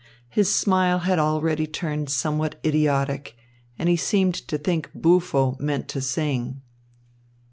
His smile had already turned somewhat idiotic, and he seemed to think "buffo" meant "to sing."